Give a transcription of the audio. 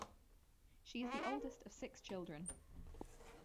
She is the oldest of six children.